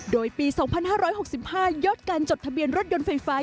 โดยปี๒๕๖๕ยอดการจดทะเบียนรถยนต์ไฟฟ้า